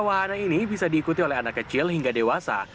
wahana ini bisa diikuti oleh anak kecil hingga dewasa